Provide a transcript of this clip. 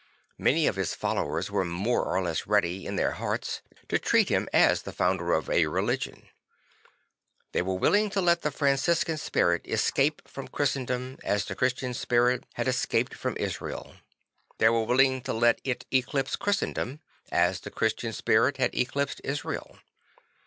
Many of his followers were more or less ready, in their hearts, to treat him as the founder of a religion. They were willing to let the Franciscan spirit escape from Christendom as the Christian spirit had escaped from Israel. They were willing to let it eclipse Christendom as the Christian spirit had eclipsed Israel.